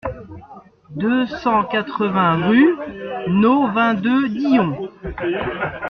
deux cent quatre-vingts rue No vingt-deux Dillon